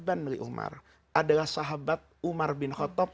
adalah sahabat umar ibni khotob